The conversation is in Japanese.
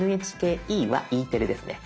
ＮＨＫＥはＥテレですね。